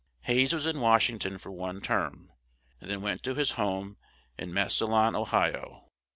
Hayes was in Wash ing ton for one term and then went to his home in Mas sil lon, O hi o.